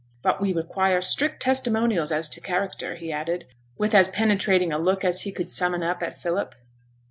But we require strict testimonials as to character,' he added, with as penetrating a look as he could summon up at Philip.